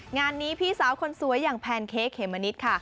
งานนี้พี่สาวคนสวยอย่างแพนเค้กเขมมะนิดค่ะ